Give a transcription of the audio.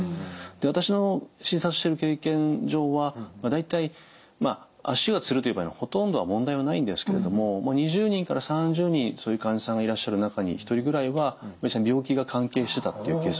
私の診察してる経験上は大体足がつるという場合のほとんどは問題はないんですけれども２０人から３０人そういう患者さんがいらっしゃる中に１人ぐらいは病気が関係してたっていうケースもあるんですね。